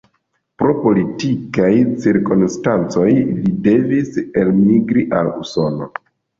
Pro politikaj cirkonstancoj li devis elmigri al Usono.